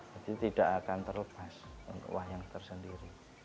jadi tidak akan terlepas untuk wayang tersendiri